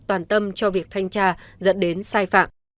toàn tâm cho việc thanh tra dẫn đến sai phạm